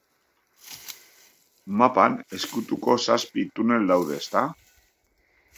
Mapan ezkutuko zazpi tunel daude, ezta?